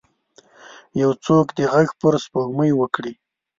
یو څوک دې ږغ پر سپوږمۍ وکړئ